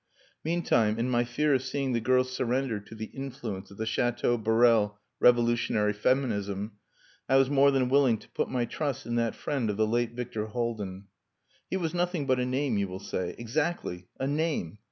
Meantime, in my fear of seeing the girl surrender to the influence of the Chateau Borel revolutionary feminism, I was more than willing to put my trust in that friend of the late Victor Haldin. He was nothing but a name, you will say. Exactly! A name!